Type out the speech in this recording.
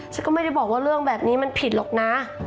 ฉันก็ไม่ได้บอกว่าเรื่องแบบนี้มันผิดหรอกนะ